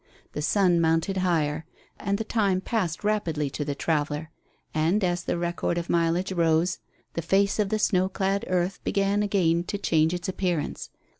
The sun mounted higher, and the time passed rapidly to the traveller. And, as the record of mileage rose, the face of the snow clad earth began again to change its appearance.